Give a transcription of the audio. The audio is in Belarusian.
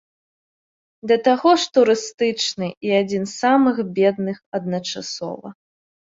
Да таго ж турыстычны і адзін з самых бедных адначасова.